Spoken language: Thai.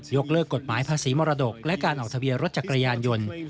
เลิกกฎหมายภาษีมรดกและการออกทะเบียนรถจักรยานยนต์